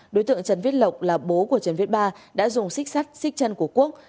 đối tượng trần viết lộc là bố của trần viết ba đã dùng xích sắt xích chân của quốc